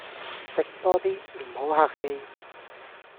食多啲，唔好客氣